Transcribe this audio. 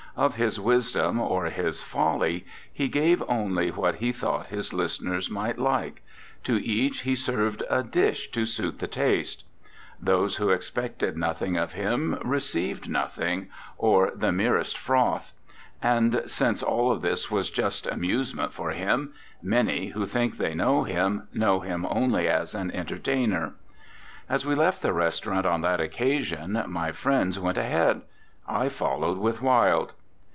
Of his wisdom or his folly he gave only what he thought his listeners might like; to each he served a dish to suit the taste; those who expected nothing of him re ceived nothing or the merest froth ; and, 29 RECOLLECTIONS OF OSCAR WILDE since all this was just amusement for him, many, who think they know him, know him only as an entertainer. As we left the restaurant on that occa sion my friends went ahead, I followed with Wilde.